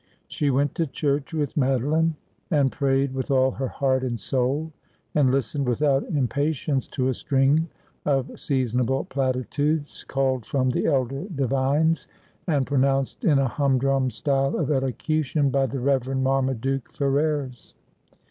She went to church with Madoline, and prayed with all her heart and soul, and listened without impatience to a string of seasonable platitudes, culled from the elder divines, and pro nounced in a humdrum style of elocution by the Reverend Marmaduke Ferrers.